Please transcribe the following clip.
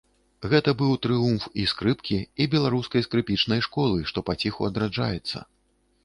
Гэта быў трыумф і скрыпкі, і беларускай скрыпічнай школы, што паціху адраджаецца.